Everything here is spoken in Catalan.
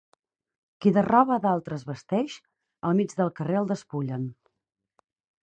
Qui de roba d'altre es vesteix, al mig del carrer el despullen.